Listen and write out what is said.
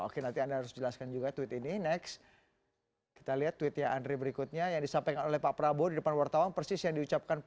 oke selanjutnya ada lagi atau tidak